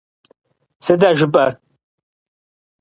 Сыт а жыпӀэр?!